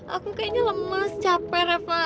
aku kayaknya lemas capek reva